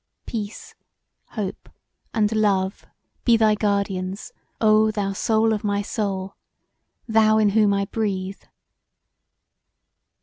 Peace, Hope and Love be thy guardians, oh, thou soul of my soul: thou in whom I breathe!